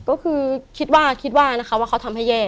ก็คือคิดว่าคิดว่านะคะว่าเขาทำให้แย่